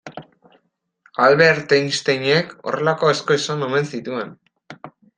Albert Einsteinek horrelako asko esan omen zituen.